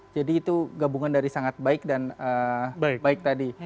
jadi itu gabungan dari sangat baik dan baik tadi